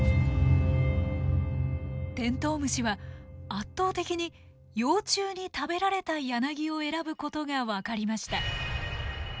テントウムシは圧倒的に幼虫に食べられたヤナギを選ぶことが分かりました。